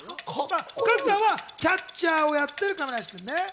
加藤さんはキャッチャーをやってる亀梨君ね。